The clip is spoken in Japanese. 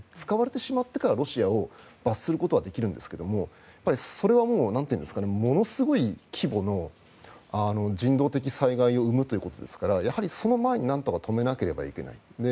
使われてしまってからロシアを罰することはできるんですがそれはもうものすごい規模の人道的災害を生むということですからその前になんとか止めなければいけない。